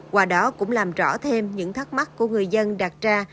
qua đó cũng làm rõ thêm những thắc mắc của người dân đặt ra